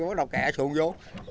bắt đầu kẹ sùn vô